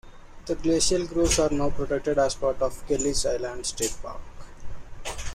The glacial grooves are now protected as part of Kelleys Island State Park.